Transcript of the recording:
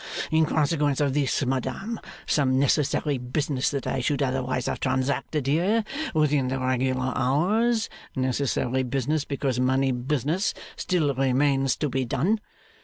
In consequence of this, madam, some necessary business that I should otherwise have transacted here within the regular hours (necessary business because money business), still remains to be done.